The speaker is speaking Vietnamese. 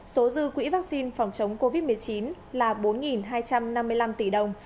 số dư quỹ vaccine phòng chống covid một mươi chín là bốn hai trăm năm mươi năm tỷ đồng